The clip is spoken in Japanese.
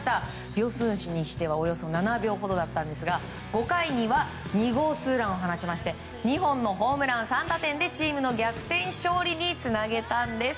秒数はおよそ７秒ほどだったんですが５回には２号ツーランを放ちまして２本のホームラン３打点でチームの逆転勝利につなげたんです。